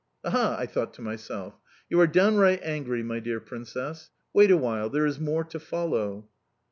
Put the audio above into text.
"Aha!" I thought to myself. "You are downright angry, my dear Princess. Wait awhile, there is more to follow."